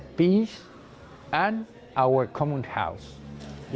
kebenaran manusia kebebasan dan rumah yang berkumpul